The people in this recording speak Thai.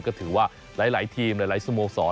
ก็ถือว่าหลายทีมหลายสโมสร